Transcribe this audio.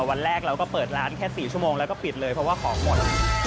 วันแรกเราก็เปิดร้านแค่๔ชั่วโมงแล้วก็ปิดเลยเพราะว่าของหมด